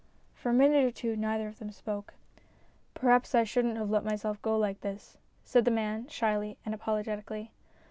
For a minute or two neither of them spoke. " Perhaps I shouldn't have let myself go like this," said the man, shyly and apologetically.